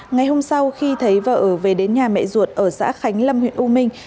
ngày hôm sau khi thấy vợ về đến nhà mẹ ruột ở xã khánh lâm huyện u minh